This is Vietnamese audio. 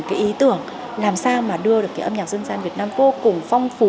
cái ý tưởng làm sao mà đưa được cái âm nhạc dân gian việt nam vô cùng phong phú